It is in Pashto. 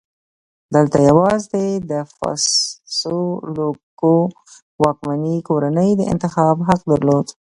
دلته یوازې د فاسولوکو واکمنې کورنۍ د انتخاب حق درلود.